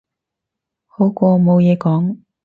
好過冇嘢講